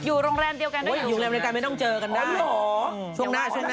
อยู่โรงแรมเดียวกันไม่ต้องเจอกันได้อยู่โรงแรมเดียวกันไม่ต้องเจอกันได้ช่วงหน้า